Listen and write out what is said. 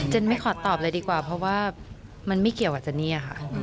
ไม่ขอตอบเลยดีกว่าเพราะว่ามันไม่เกี่ยวกับเจนนี่ค่ะ